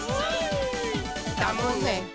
「だもんね」